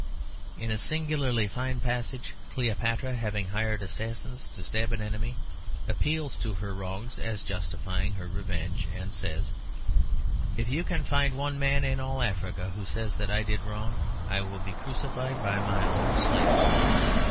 In a singularly fine passage Cleopatra, having hired assassins to stab an enemy, appeals to her wrongs as justifying her revenge, and says, "If you can find one man in all Africa who says that I did wrong, I will be crucified by my own slaves."